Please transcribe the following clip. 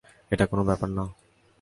এটা কোন ব্যাপার না।